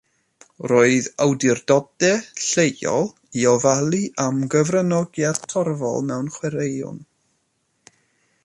Roedd awdurdodau lleol i ofalu am gyfranogiad torfol mewn chwaraeon.